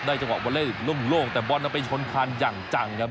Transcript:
จังหวะบอลเล่นโล่งแต่บอลเอาไปชนคันอย่างจังครับ